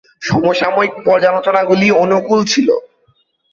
সমসাময়িক পর্যালোচনাগুলি অনুকূল ছিল।